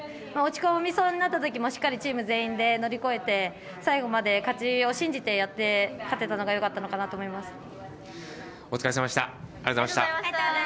落ち込みそうになったときもしっかりチーム全員で乗り越えて最後まで勝ちを信じてやれたのがよかったと思います。